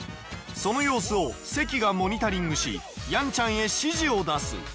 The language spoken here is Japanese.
その様子を関がモニタリングしやんちゃんへ指示を出す。